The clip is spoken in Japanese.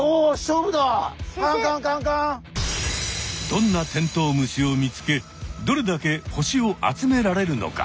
どんなテントウムシを見つけどれだけ星を集められるのか。